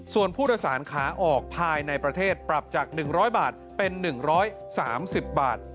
ส่วนผู้โดยสารขาออกภายในประเทศปรับจาก๑๐๐บาทเป็น๑๓๐บาท